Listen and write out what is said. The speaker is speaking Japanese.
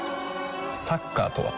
サッカーとは？